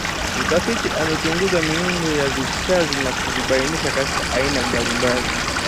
Mtafiti amechunguza miundo ya vishazi na kuvibainisha katika aina mbalimbali